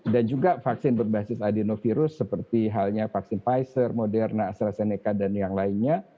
dan juga vaksin berbasis adenovirus seperti halnya vaksin pfizer moderna astrazeneca dan yang lainnya